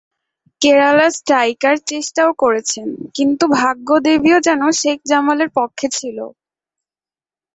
কেরালার স্ট্রাইকার চেষ্টাও করেছেন, কিন্তু ভাগ্যদেবীও যেন শেখ জামালের পক্ষে ছিল।